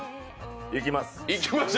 いきます！